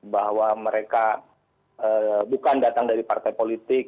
bahwa mereka bukan datang dari partai politik